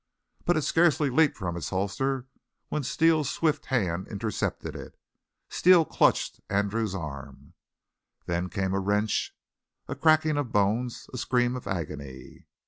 But it scarcely leaped from its holster when Steele's swift hand intercepted it. Steele clutched Andrews' arm. Then came a wrench, a cracking of bones, a scream of agony.